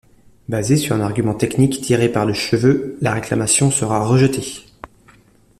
Basée sur un argument technique tiré par les cheveux, la réclamation sera rejetée.